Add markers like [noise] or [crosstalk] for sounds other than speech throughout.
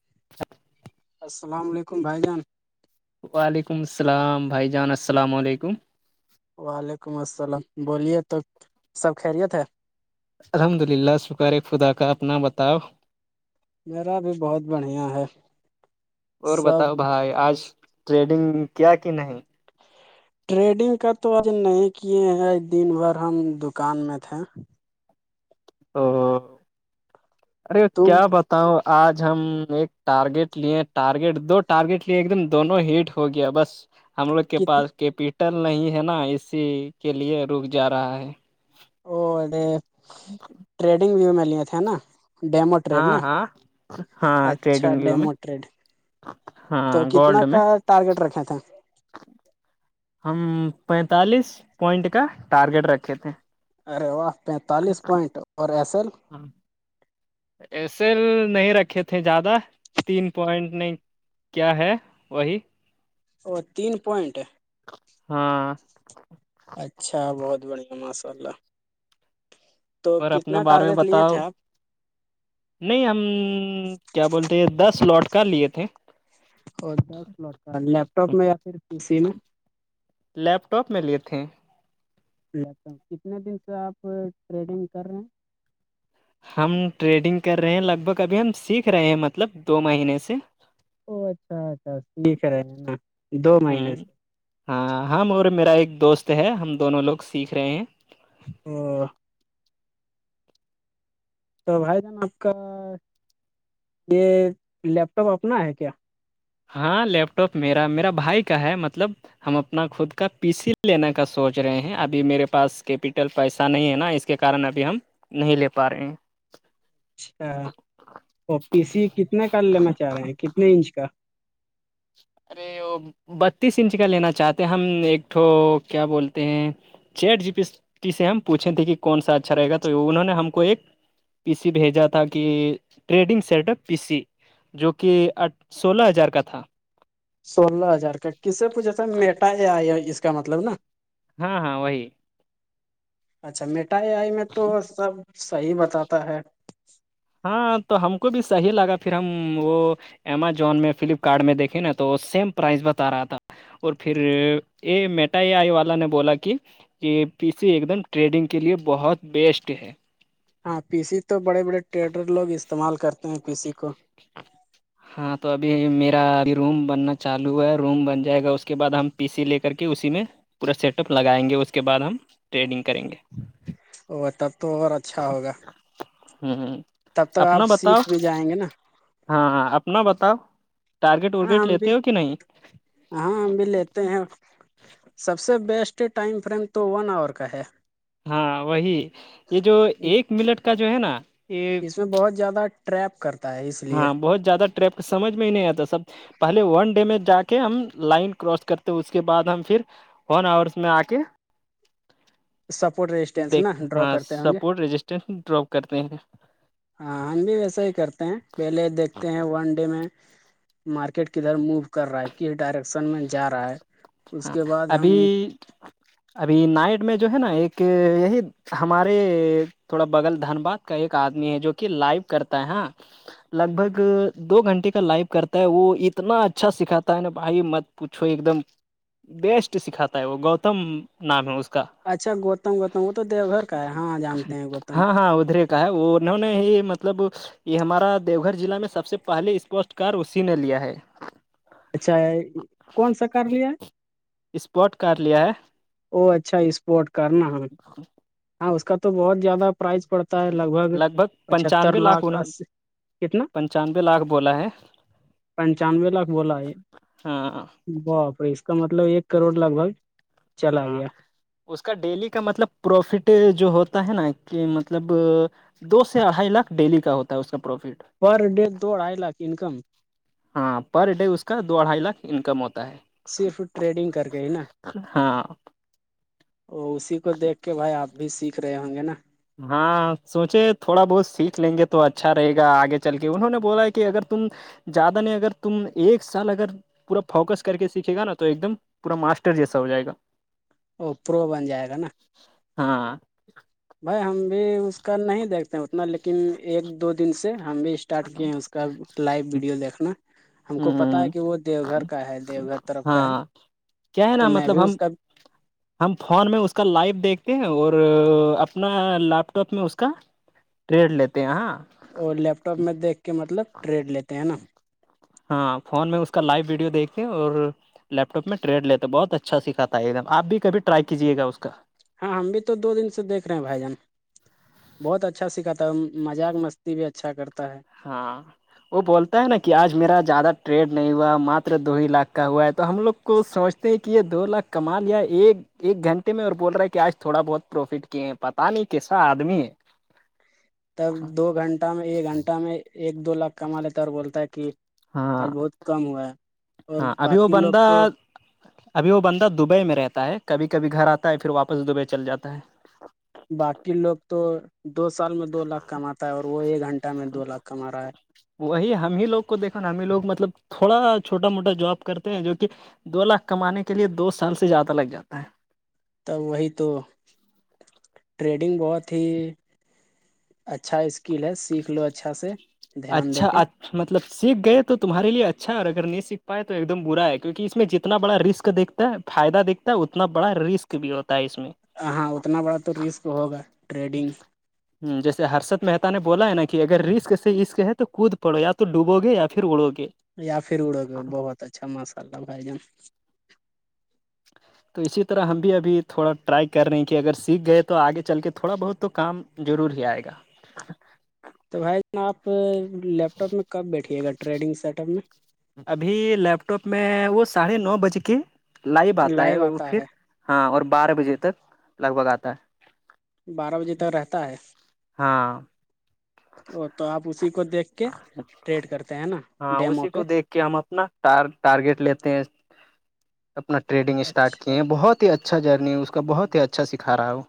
[inaudible] السلام علیکم بھائی جان وعلیکم السلام بھائی جان السلام علیکم وعلیکم السلام بولیے تو سب خیریت ہے الحمد للہ سکار خدا کا اپنا بتاؤ میرا بھی بہت بڑھیا ہے اور سب بتاؤ بھائی آج ٹریڈنگ کیا کہ نہیں ٹریڈنگ کر تو آج نہیں کیے ہیں دن بھر ہم دکان میں تھے او ارے تم کیا بات تو آج ہم ایک ٹارگیٹ لیے ٹارگیٹ دو ٹارگیٹ لیے ایک دم دونوں ہیٹ ہو گیا بس ہم لوگ کے کتنے پاس کیپیٹل نہیں ہے نا اسی کے لیے رک جا رہا ہے او ارے [inaudible] ٹریڈنگ ویو میں لیے تھے نا ڈیمو ٹریڈ ہاں نا ہاں ہاں اچھا ٹریڈنگ بھی میں ڈیمو ٹریڈ ہاں تو کتنا میں کا ٹارگیٹ رکھا تھا ہم پینتالیس پوائنٹ کا ٹارگیٹ رکھے تھے ارےوا پینتالیس پوائنٹ اور ایس ایل تھے ایس ایل نہیں رکھے تھے زیادہ تین پوائنٹ نہیں کیا ہے وہی اور تین پوائنٹ ہاں اچھا بہت بڑھیا ماشاء اللہ تو اور اپنے کتنا بارے میں ٹارگیٹ لیے تھے بتاؤ آپ نہیں ہم کیا بولتے دس لوٹ کر لیے تھے اور دس لوٹ کا لیپ ٹاپ میں یا پھر ک سی میں لیپ ٹاپ میں لیے تھے کتنے دن سے آپ ٹریڈنگ کر رہے ہیں ہم ٹریڈنگ کر رہے ہیں لگ بھگ ابھی ہم سیکھ رہے ہیں مطلب دو مہینے سے او اچھا اچھا دٹھ رہے ہیں نا دو ہ مہینے سے ہاں ہم اور میرا ایک دوست ہے ہم دونوں لوگ سیکھ رہے ہیں ہ [unintelligible] تو بھائی جان آپ کا یہ لیپ ٹاپ اپنا ہے کیا ہاں لیپ ٹاپ میرا میرا بھائی کا ہے مطلب ہم اپنا خود کا پی س لینےا کا سوچ رہے ہیں ابھی میرے پاس کیپیٹل پیسہ نہیں ہے نا اس کے کارن ابھی ہم نہیں لے پا رہے ہیں اچھا اور پی سی کتنا کال لینا چاہ رہے ہیں ارے کتنے انچ کا ارے وہ بتیس انچ کا لینا چاہتے ہیں ہم ایکٹھو کیا بولتے ہیں چیٹ جی پی ٹی سے ہم پوچھے تھے کہ کون سا اچھا رہے گ تو انہوں نے ہم کو ایک پی سی بھیجا تھا کہ trading set up P C جو کہ سولہ ہزار کا تھا سولہ ہزار کا کس سے پوچھا تھا میٹا یا اس کا مطلب نا ہاں ہاں وہی اچھا مٹھائی آئی میں تو سب صحیح بتاتا ہے ہاں تو ہم کو بھی صحیح لگا پھر ہم وہ امزون میں فلپکارٹ میں دیکھے نا تو سیم پرائز بتا رہا تھا اور پھر یہ میٹائیئی والا نے بولا کہ کے پی سی ایک دم ٹریڈنگ کے لیے بہت بیسٹ ہے ہاں پی سی تو بڑے بڑے ٹریڈر لوگ استعمال کرتے ہیں پی سی کو [inaudible] ہاں تو ابھی میرا ابھی روم بننا چالو ہوا ہے روم بن جائے گا اس کے بعد ہم پی سی لے کر کے اسی میں پورا سیٹ اپ لگائیں گے اس کے بعد ہم ٹریڈنگ کریں گے وہ [unintelligible] ت تو اچھا ہوگا ہوں ہ تب تک آپ سیکھ بھی جائیں گے نا ہاں ہاں اپنا بتاؤ ٹارگیٹ ہاں ورگیٹ ہم بھی لیتے ہو کہ نہیں ہاں ہم بی لتے سب سے بیسٹ ٹائم فریم تو ون آور کا ہے ہاں وہی یہ جو ایک منٹ کا جو ہے نا یہ اس میں بہت زیادہ ریپ کرتا ہے اس لیے ہاں بہت زیاد ٹرریپ سمجھ میں ہی نہیں آتا سب پہلے ون ڈے میں جا کے ہم لائن کراس کرتے اس کے بعد ہم پھر ون ہورس آس میں آ کے سپورٹ ریسٹینس نا دیکھ ڈرا ہاں کرتے ہوں گے سپورٹ رجسٹر ڈراپ کرتے ہیں ہاں ہم بھی ویسا ہی کرتے ہیں پہلے دیکھتے ہیں ون ڈے میں مارکیٹ کدھر موو کر رہا ہے کس ڈائریکشن میں جا رہا ہے اس ہاں کے بعد ابھی ہم ابھی نائٹ میں جو ہے نا ایک یہی ہمارے تھوڑا بغل دھنباد کا ایک آدمی ہے جو کہ لائو کرتا ہے ہاں لگ بھگ دو گھنٹے کا لائف کرتا ہے وہ اتنا اچھا سکھاتا ہے نا بھائی مت پوچھو ایک دم بیسٹ سکھاتا ہے وہ گوتم نام ہے اس کا اچھا گوتم گوتم وہ تو دیو گھر کا ہے ہاں جانتے ہیں گوتم ہاں ہاں ادھرے کہ ہے وہ انہوں نے ہی مطلب یہ ہمارا دیو گھر ضلع میں سب سے پہے اسپشٹ کار اسی نے لیا ہے اچھا کون سا کار لیا ہے اسپوٹ کار لیا ہے ا اچھا اسپورٹ کرنا ہاں اس کا تو بہت زیادہ پرائز پڑتا ہوتا ہے لگ بھگ پچہتر لاکھ اس کتنا پنچانوے لاکھ بولا ہے پنچانوے لاکھ بولا ہے ہاں باپ اس کا مطلب ایک کروڑ لگ بھگ چلا ہاں گیا اس کا ڈیلی کا مطلب پروفٹ جو ہوتا ہے نا کہ مطلب دو سے اڑھائی لاکھ ڈیلی کا ہوتا ہے اس کا پروفٹ پر ڈے دوڑ آئے لاکھ انکم ہاں پر ڈے اس کا دو اھائی لاکھ انکم ہوتا ہے صرف ٹریڈنگ کر کے ہی نا ہاں ا اسی کو دیکھ کے بھائی آپ بھی سیکھ رہے ہوں گے نا ہاں سوچے تھوڑا بہت سیکھ لیں گے تو اچھا رہے گا آگے چل کے انہوں نے بولا کہ اگر تم زیادہ نہیں اگر تم ایک سال اگر پورا فوکس کر کے سیکھے گا نا تو ایک دم پور ماسٹر جیسا ہو جائے گا او پرو بن جائے گا نا ہاں بھائی ہم بھی اس کا نہیں دیکھتے اتنا لیکن ایک دو دن سے ہم بھی اسٹارٹ کیے ہیں اس کا لائیو ویڈیو دیکھنا ہم کو پتا ہے ہاں کہ وہ دیو گھر کا ہے دیو گھر طرف کا ہے ہاں کیا ہے تو نا میں بھی مطلب ہم اس کا ہم فون میں اس کا لائو دیکھتے ہیں اور اپنا لیپ ٹاپ میں اس کا ریٹ لیتے ہیں ہاں اور لیپ ٹاپ میں دیکھ کے مطلب ٹریڈ لیتے ہیں نا ہاں فون میں اس کا لائیو ویڈیو دیکھ کے اور لیپ ٹاپ میں ٹریڈ لیتے بہت اچھا سکھاتا ہے ایک دم آپ بھی کبھی ٹرائی کیجیے گا اس کا ہاں ہم بھی تو دو دن سے دیک رہے ہیں بھائی جان بہت اچھا سکھاتا ہے مذاق مستی بھی اچھا کرتا ہے ہاں وہ بولتا ہے نا کہ آج میرا زیادہ ٹریڈ نہیں ہوا ماتر دو ہی لاکھ کا ہوا ہے تو ہم لوگ کو سمجھتے ہیں کہ یہ دو لاکھ کمال یا ایک ایک گھنٹے میں اور بول رہا ہے کہ آج تھوڑا بہت پروفٹ کیا ہیں پتا نہیں کیسا آدمی ہے تب دو گھنٹہ میں ایک گھنٹہ میں ایک دو لاکھ کما لیتا ہے اور بولتا ہے کہ ہاں آج بہت کم ہوا ہے اور ہاں ابھی وہ باقی لوگ بندہ تو ابھی وہ بندہ دبئی میں رہتا ہے کبھی کبھی گھر آتا ہے پھر واپس دبئی چل جاتا ہے باقی لوگ تو دو سال میں دو لاکھ کماتا ہے اور وہ ایک گھنٹہ میں دو لاکھ کما رہا ہے وہی ہم ہی لوگ کو دیکھو نا ہم ہی لوگ مطلب تھوڑا چھوٹا موٹا جاب کرتے ہیں جو کہ دو لاکھ کمانے کے لیے دو سال سے زیادہ لگ جاتا ہے تب وہی تو ٹریڈنگ بہت ہی اچھا اس کل ہے سیکھ لو اچھا سے دھیان دے کے اچھا مطلب سیکھ گئے تو تمہارے لیے اچھا اور اگر نہیں سیکھ پائے تو ایک دم برا ہے کیونکہ اس میں جتنا بڑا رسک دیکھ فائدہ دکھتا ہے اتنا بڑا رسک بھی ہوتا ہے اس میں ہ ہاں اتنا بڑا تو رسک ہوگا ٹریڈنگ ج جیسےرد محت نے بولا ہے نا کہ اگر رسک سے اسسک ہے تو کود پڑو یا تو ڈوبو گے یا پھر اڑو گے یا پھر اڑو گے بہت اچھا ماساء اللہ بھائی جان ا تو اسی طرح ہم بھی ابھی تھوڑا ٹرائی کر رہے ہیں کہ اگر سیکھ گئے تو آگے چل کے تھوڑا بہت تو کام ضرور ہی آئے گا ںںں تو بھائی آپ لیپ ٹاپ میں کب بیٹھیے گا ٹریڈنگ سیٹ اپ میں ابھی لیپٹاپ میں وہ ساڑھے نو بج کے لائو آتا ہے پھر ہاں اور بارہ بجے تک لگ بھگ آتا ہے بارہ بجے تک رہتا ہے ہے ہاں اور تو آپ اسی کو دیکھ کے ٹریڈ کرتے ہے نا ڈیمو پہ کہ ہم اپنا ٹارگیٹ لیتے ہیں اپنا ٹریڈنگ اسٹارٹ کیے ہیں اچھا بہت ہی اچھا جرنی اس کا بہت ہی اچھا سکھا رہا وہ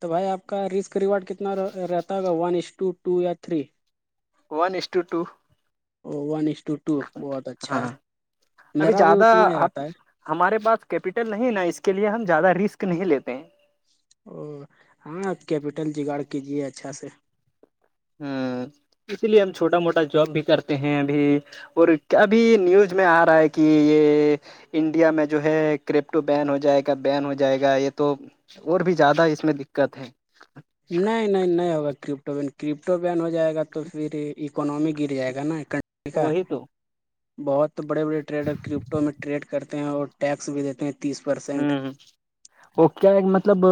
تو بھائی آپ کا رسک ریوارڈ کتنا رہتا ہوگا ون ای ٹو ٹو یا three one is to two O one is to two بہت اچھا ہے ہاں ابھی میرا بھی زیادہ اتنا ہی آپ رہتا ہے ہمارے پاس کیپیٹل نہیں نا اس کے لیے ہم زیادہ رسک نہیں لیتے ہیں او ہاں کیپٹل ج گاڑ کیجیے اچھا سے ہ اسی لیے ہم چھوٹا موٹا جاب بھی کرتے ہیں ابھی اور کیابھی نیوز میں آ رہا ہے کہ یہ انڈیا میں جو ہے کرپٹو بین ہو جائے گا بین ہو جائے گا یہ تو اور بھی زیادہ اس میں دقت ہے نہیں نہیں نہیں ہوگا کرپٹو بین کرپٹو بین ہو جائے گا تو پھر اکنمی گر جائے گا نا کنٹری کا وہی تو بہت بڑے بڑے ٹریڈر کرپٹو میں ٹریڈ کرتے ہیں اور ٹیکس بھی دیتے ہیں تیس پرسینٹ ہوں ہ ا کیا ہے مطلب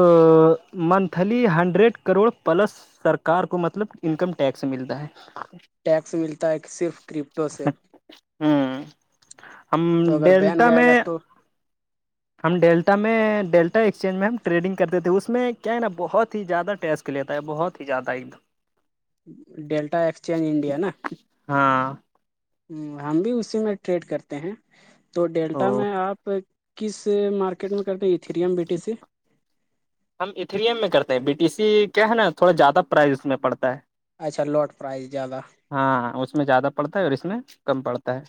منتھلی ہنڈریڈ کروڑ پلس سرکار کو مطلب انکم ٹیکس ملتا ہے ٹیکس ملتا ہے صرف کرپٹو سے ہوں ہم تو اگر بین ہو ڈیلٹا جائے میں گا تو ہم ڈیلٹا میں ڈیلٹا ایکسچینج میں ہم ٹریڈنگ کرتے تھے اس میں کیا ہے نا بہت ہی زیادہ ٹیسٹ لیتا ہے بہت ہی زیادہ ایک دم ڈیلٹا ایکسچینج انڈیا نا ہاں ہ ہم بھی اسی میں ٹریڈ کرتے ہیں تو ڈیلٹا او میں آپ کس مارکی کرکٹ میں کرتے ہیں یہ تھریم بیٹی س سے ہم اتھریم میں کرتے ہیں بی ٹی سی کیا ہے نا تھوڑا زیادہ پرائز اس میں پڑتا ہے اچھا لوٹ پرائز زیادہ ہاں اس میں زیادہ پڑتا ہے اور اس میں کم پڑتا ہے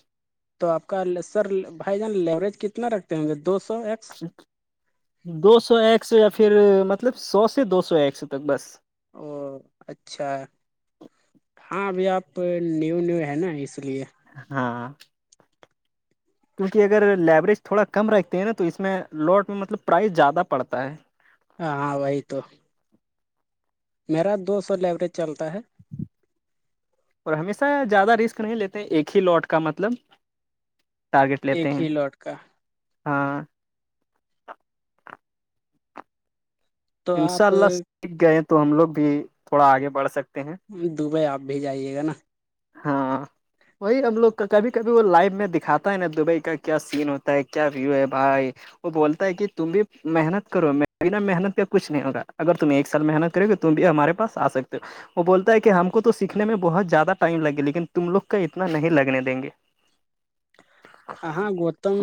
تو آپ کا سر بھائی جان لیوریج کتنا رکھتے ہوں گے دو سو ایکس چ دو سو ایک سو یا پھر مطلب سو سے دو سو ایک سو تک بس او اچھا ہاں ابھی آپ نیو نیو ہیں نا اس لیے ہاں کیونکہ اگر لیوریج تھوڑا کم رتے ہیں نا تو اس میں لوٹ میں مطلب پرائز زیادہ پڑتا ہے ہ ہاںوئیتو میرا دو سو لائبریج چلتا ہے [unintelligible] اور ہمیشہ زیادہ رسک نہیں لیتے ایک ہی لاٹ کا مطلب ٹارگیٹ لیتے ایک ہیں ہی لوٹ کا ہاں تو انشاء آپ اللہ سیکھ گئے تو ہم لوگ بھی تھوڑا آگے بڑھ سکتے ہیں دبئی آپ بھی جائیے گا نا ہاں وہی ہم لوگ کبھی کبھی وہ لائو میں دکھاتا ہے نا دبئی کا کیا سین ہوتا ہے کیا ویو ہے بھائی وہ بولتا ہے کہ تم بھی محنت کرو میںناا محنت کا کچھ نہیں ہوگا اگر تم ایک سال محنت کرے گے تو بھی ہمارے پس آ سکتے ہو وہ بولتا ہے کہ ہم کو تو سیکھنے میں بہت زیادہ ٹائم لگے لیکن تم لوگ کا اتنا نہیں لگنے دیں گے ہ ہاں گوتم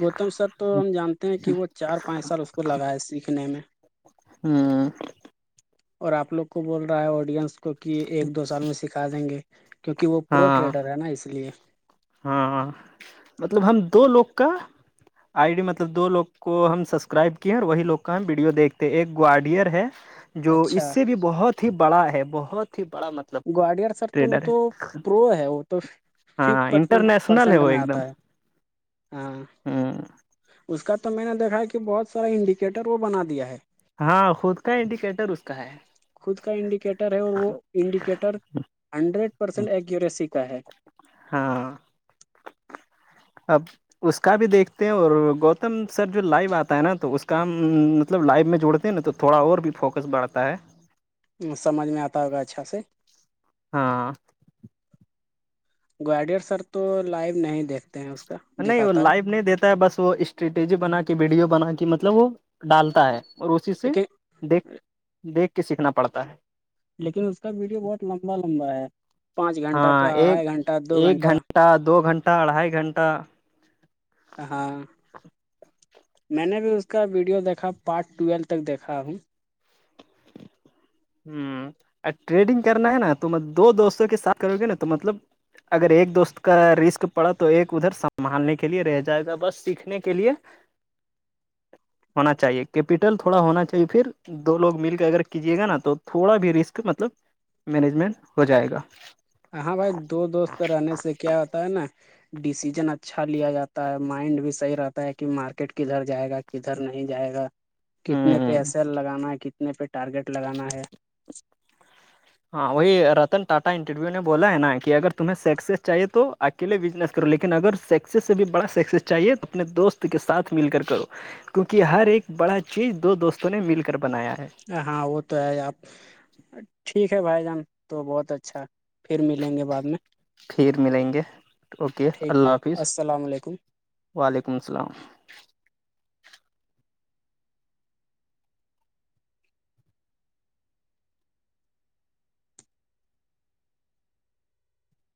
گوتم سر تو ہم جانتے ہیں کہ وہ چار پانچ سال اس کو لگائے ہے سیکھنے میں ہاں اور آپ لوگ کو بول رہا ہے آڈینس کو کہ ایک دو سال میں سکھا دیں گے کیونکہ وہ پرو ہاں ٹریڈر ہے نا اس لیے ہاں مطلب ہم دو لوگ کا آئی ڈی مطلب دو لوگ کو ہم سبسکرائب کیے اور وہی لوگ کا ہم ویڈیو دیکھتے ہیں ایک گواڈئر ہے جو اس اچھا سے بھی بہت ہی بڑا ہے بہت ہی بڑا مطلب گواڈئر سر تو وہ ٹریڈر ہے تو پرو ہے وہ تو فف ہاں پر انٹرنیشنل ہے پرسینٹ وہ میں ایک دم آتا ہے ہاں ہ اس کا تو میں نے دیکھا ہے کہ بہت سارا انڈیکیٹر وہ بنا دیا ہے ہاں خود کا انڈیکیٹر اس کا ہے خود کا انڈیکیٹر ہے اور وہ انڈیکیٹر ہنڈریڈ پرسینٹ ایکیوریسی کا ہے ہاں اب اس کا بھی دیکھتے ہیں اور گت سر جو لائو آتا ہے نا تو اس کام مطلب لائف میں جوڑتے ہیں نا تو تھوڑا اور بھی فوکس بڑھتا ہے سمجھ میں آتا ہوگا اچھا سے ہاں گوڈر سر تو لائیو نہیں دیکھتے ہیں اس کا نہیں وہ دکھاتا ہے لائو نہیں دیتا ہے بس وہ اسٹریٹجی بنا کے ویڈیو بنا کے مطلب وہ ڈالتا ہے اور اسی سے لیکن دیکھ دیکھ کے سیکھنا پڑتا ہے لیکن اس کا ویڈیو بہت لمبا لمبا ہے پانچ گھنٹہ کا ہاں ا ایک ڈھائی گھنٹہ دو ایک گھنٹہ دو گھنٹہ اڑھائی گھنٹہ ہاں میں نے بھی اس کا ویڈیو دیکھا پارٹ ٹویلو تک دیکھا ہوں ہ ا ٹریڈنگ کرنا ہے نا تم دوستوں کے ساتھ کرو گے نا تو مطلب اگر ایک دوست کا رسک پڑا تو ایک ادھر سنبھالنے کے لیے رہ جائے گا بس سیکھنے کے لیے [inaudible] ہونا چاہیے کیپٹل تھوڑا ہونا چاہیے پھر دو لوگ مل کے اگر کیجیے گا نا تو تو تھوڑا بھی رسک مطلب مینجمنٹ ہو جائے گا ہاں بھائی دو دوست رہنے سے کیا ہوتا ہے نا ڈیسیزن اچھا لیا جاتا ہے مائنڈ بھی صحیح رہتا ہے کہ مارکیٹ کدھر جائے گا کدھر نہیں جائے گا کتنے ہ پہ ایسل لگانا ہے کتنے پہ ٹارگیٹ لگانا ہے ہاں وہی رتن ٹاٹا انٹرویو نے بولا ہے نا کہ اگر تمہیں سکسیس چاہیے تو کے لیے بزنس کرو لیکن اگر سکسیس سے بھی بڑا سکسیس چاہیے تو اپنے دوست کے ساتھ مل کرو کیونکہ ہر ایک بڑا چیز دو دوستوں نے مل کر بنایا ہے ہاں وہ تو ہے آپ ٹھیک ہے بھائی جان تو بہت اچھا پھر ملیں گے بعد میں پھر ملیں گے اوکے ٹھیک اللہ حافظ السلام علیکم وعلیکم السلام